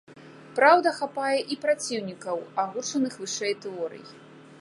Праўда, хапае і праціўнікаў агучаных вышэй тэорый.